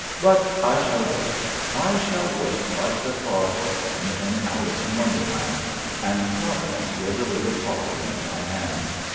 But I shall wait — ^I shall wait, like the frog foot man in Alice in Wonderland, and Providence will deliver Polly into my hands.